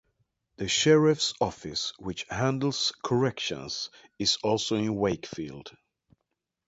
The Sheriff's Office which handles corrections is also in Wakefield.